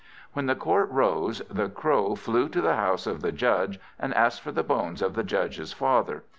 When the court rose, the Crow flew to the house of the Judge, and asked for the bones of the Judge's father.